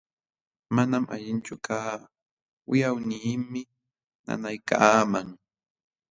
Manam allinchu kaa, wiqawniimi nanaykaaman.